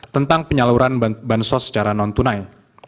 tentang penyaluran bansos secara non tunai